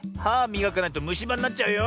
みがかないとむしばになっちゃうよ。